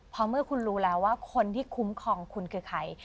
เพราะเมื่อคุณรู้แล้วว่าคนที่คุ้มครองคุณคือใคร